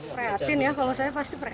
preatin ya kalau saya pasti preatin